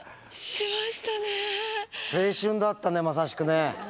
青春だったねまさしくね。